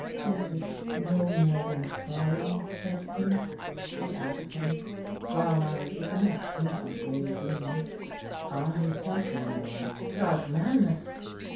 "Is it no more than folly, Justin?" she asked him, brown eyes looking up into gray green. "Ay, something more stark madness.